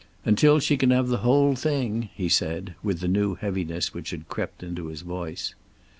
"Until she can have the whole thing," he said, with the new heaviness which had crept into his voice.